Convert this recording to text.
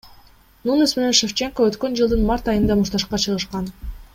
Нунес менен Шевченко өткөн жылдын март айында мушташка чыгышкан.